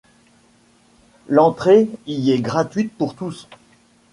L'entrée y est gratuite pour tous.